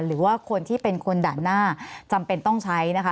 หรือว่าคนที่เป็นคนด่านหน้าจำเป็นต้องใช้นะคะ